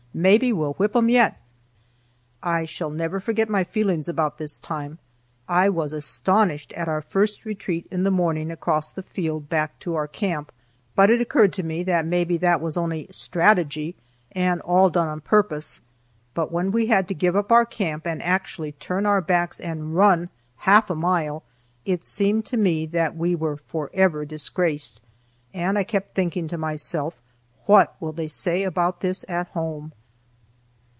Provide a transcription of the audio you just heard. Maybe we'll whip 'em yet." I shall never forget my feelings about this time. I was astonished at our first retreat in the morning across the field back to our camp, but it occurred to me that maybe that was only "strategy" and all done on purpose; but when we had to give up our camp, and actually turn our backs and run half a mile, it seemed to me that we were forever disgraced, and I kept thinking to myself: "What will they say about this at home?"